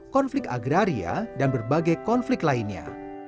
konflik agraria dan berbagai konflik lainnya